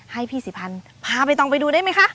ให้พี่สิพันธ์พาใบตองไปดูได้ไหมคะ